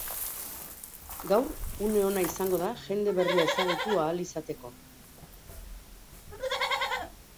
Gaur une ona izango da jende berria ezagutu ahal izateko.